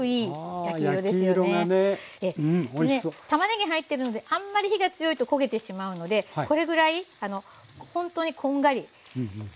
たまねぎ入ってるのであんまり火が強いと焦げてしまうのでこれぐらいほんとにこんがり。